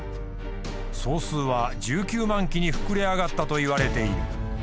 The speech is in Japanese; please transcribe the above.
総数は１９万騎に膨れ上がったといわれている。